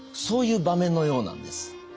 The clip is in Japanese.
そういう場面のようなんです。